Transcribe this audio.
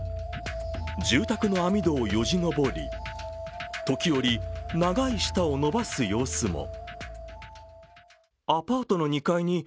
住宅の網戸をよじ登り時折、長い舌を伸ばす様子も。